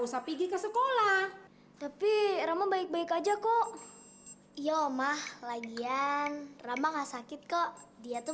usah pergi ke sekolah tapi rama baik baik aja kok ya omah lagian ramah sakit kok dia tuh